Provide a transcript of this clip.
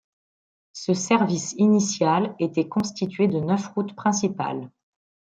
Ce service initial était constitué de neuf routes principales.